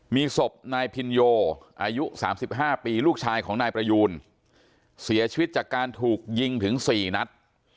มีศพนายพินโยอายุ๓๕ปีลูกชายของนายประยูนเสียชีวิตจากการถูกยิงถึง๔นัด